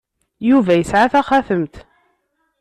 Yuba yesɛa taxatemt.